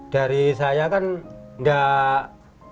dari saya kan enggak